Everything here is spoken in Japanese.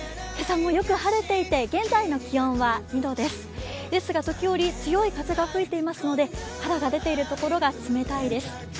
今朝もよく晴れていて、現在の気温は２度ですが、時折強い風が吹いていますので、肌が出ている所が冷たいです。